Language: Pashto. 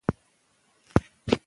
د ماشوم خوب مخکې حمام اراموي.